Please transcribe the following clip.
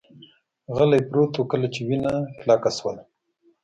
غلی پروت ووم، کله چې وینه کلکه شول.